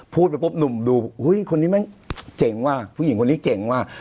พูดไปปุ๊บหนุ่มดูอุ้ยคนนี้แม่งเจ๋งว่ะผู้หญิงคนนี้เจ๋งว่ะ